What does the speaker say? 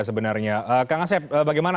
sebenarnya kak ngasep bagaimana